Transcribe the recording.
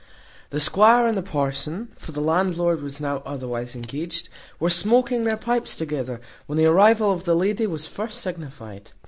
The squire and the parson (for the landlord was now otherwise engaged) were smoaking their pipes together, when the arrival of the lady was first signified.